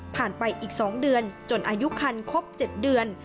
ไปอีก๒เดือนจนอายุคันครบ๗เดือน